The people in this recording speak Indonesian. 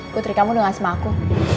putri kamu udah gak sama aku